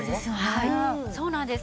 そうなんです。